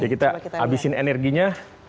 jadi kita habisin energinya